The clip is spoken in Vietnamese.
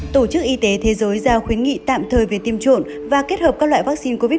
tổ chức y tế thế giới giao khuyến nghị tạm thời về tiêm chủng và kết hợp các loại vaccine covid một mươi chín